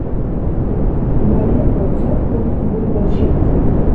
Маремла ца къуллукъ бургар шилизиб?